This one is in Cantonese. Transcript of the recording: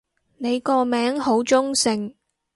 你個名好中性